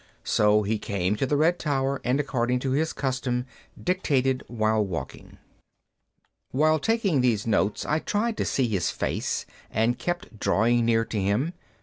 So he came to the red tower, and, according to his custom, dictated while walking. While taking these notes I tried to see his face, and kept drawing near to him.